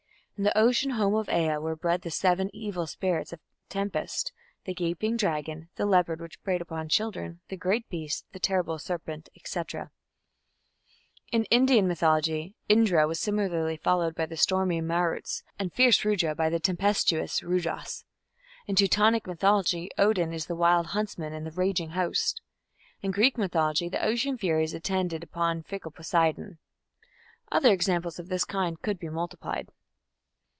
In the ocean home of Ea were bred the "seven evil spirits" of tempest the gaping dragon, the leopard which preyed upon children, the great Beast, the terrible serpent, &c. In Indian mythology Indra was similarly followed by the stormy Maruts, and fierce Rudra by the tempestuous Rudras. In Teutonic mythology Odin is the "Wild Huntsman in the Raging Host". In Greek mythology the ocean furies attend upon fickle Poseidon. Other examples of this kind could be multiplied.